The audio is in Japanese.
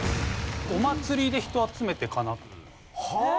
お祭りで人を集めてかなっていう。